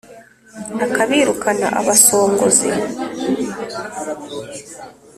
akabirukana abasongozi,